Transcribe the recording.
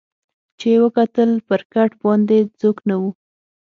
چي یې وکتل پر کټ باندي څوک نه وو